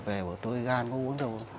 về bảo tôi gan có uống đâu